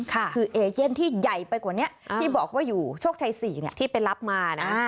คือเอเย่นที่ใหญ่ไปกว่านี้ที่บอกว่าอยู่โชคชัย๔ที่ไปรับมานะ